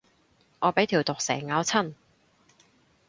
我俾條毒蛇咬親